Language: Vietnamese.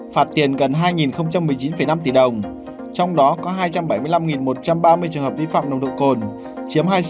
phạt tiền gần hai một mươi chín năm tỷ đồng trong đó có hai trăm bảy mươi năm một trăm ba mươi trường hợp vi phạm nồng độ cồn chiếm hai mươi sáu